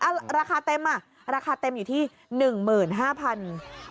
ราคาเต็มอ่ะราคาเต็มอยู่ที่๑๕๐๐บาท